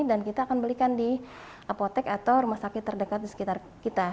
dan kita akan belikan di apotek atau rumah sakit terdekat di sekitar kita